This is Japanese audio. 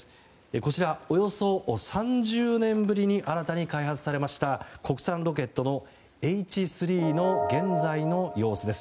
こちら、およそ３０年ぶりに新たに開発されました国産ロケットＨ３の現在の様子です。